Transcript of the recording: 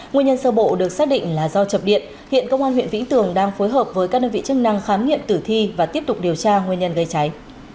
nguyên nhân sơ bộ được xác định là do chập điện hiện công an huyện vĩnh tường đang phối hợp với các đơn vị chức năng khám nghiệm tử thi và tiếp tục điều tra nguyên nhân gây cháy